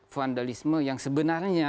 vandalisme yang sebenarnya